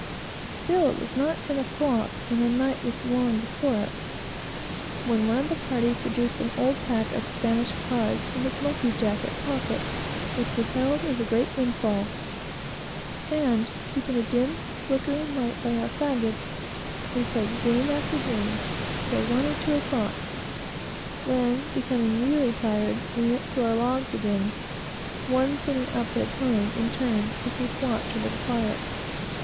Still, it was not ten o'clock, and the night was long before us, when one of the party produced an old pack of Spanish cards from his monkey jacket pocket, which we hailed as a great windfall; and keeping a dim, flickering light by our fagots, we played game after game, till one or two o'clock, when, becoming really tired, we went to our logs again, one sitting up at a time, in turn, to keep watch over the fire.